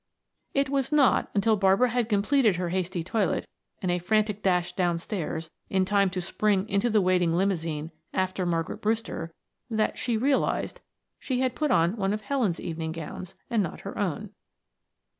It was not until Barbara had completed her hasty toilet and a frantic dash downstairs in time to spring into the waiting limousine after Margaret Brewster, that she realized she had put on one of Helen's evening gowns and not her own.